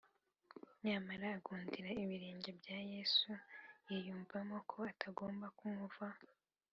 ” nyamara agundira ibirenge bya yesu, yiyumvamo ko atagomba kumuvaho